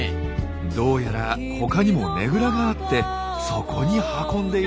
どうやら他にもねぐらがあってそこに運んでいるようです。